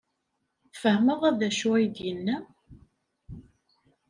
Tfehmeḍ ad acu ay d-yenna?